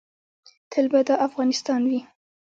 تل به دا افغانستان وي